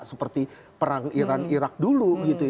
seperti perang iran irak dulu